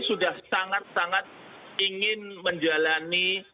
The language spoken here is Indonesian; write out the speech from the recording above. sudah sangat sangat ingin menjalani